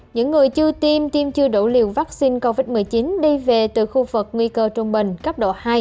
những người chưa tiêm tiêm chưa đủ liều vaccine covid một mươi chín đi về từ khu vực nguy cơ trung bình cấp độ hai